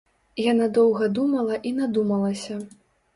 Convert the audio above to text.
Яна доўга думала і надумалася.